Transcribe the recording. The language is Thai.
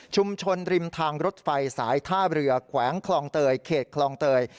ริมทางรถไฟสายท่าเรือแขวงคลองเตยเขตคลองเตย